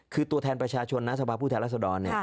คือตัวแทนประชาชนนะสภาพผู้แทนรัศดร